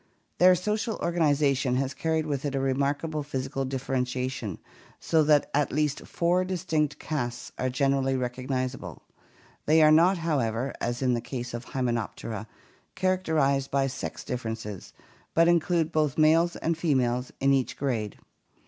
Their social organization has carried with it a remarkable physi cal differentiation so that at least four distinct castes are generally recognizable; they are not, however, as in the case of the Hymenop tera, characterized by sex differences but include both males and females in each grade.